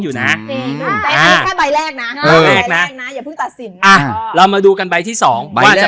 กำลังท่อทองอยู่นะไฟหน้าแหลกนะอ่าเรามาดูกันใบที่สองอาจจะ